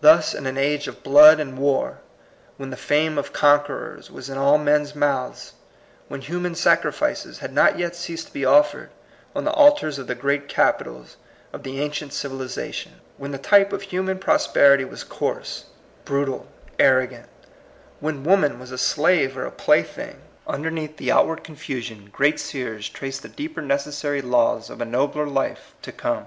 Thus, in an age of blood and war, when the fame of conquerors was in all men's mouths; when human sacrifices had not yet ceased to be offered on the altars of the great capitals of the ancient civiliza tion; when the type of human prosperity was coarse, brutal, arrogant; when woman was a slave or a plaything ; underneath the outward confusion great seers traced the deeper necessary laws of a nobler life to come.